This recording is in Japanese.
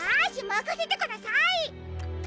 まかせてください！